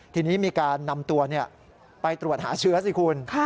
ทีนี้มีการนำตัวไปตรวจหาเชื้อสิคุณ